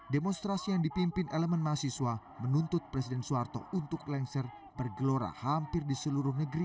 demonstrasi yang dipimpin elemen mahasiswa menuntut presiden soeharto untuk lengser bergelora hampir di seluruh negeri